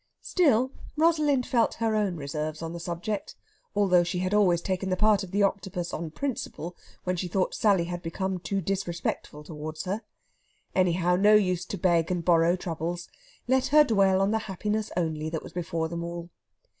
Still, Rosalind felt her own reserves on the subject, although she had always taken the part of the Octopus on principle when she thought Sally had become too disrespectful towards her. Anyhow, no use to beg and borrow troubles! Let her dwell on the happiness only that was before them all.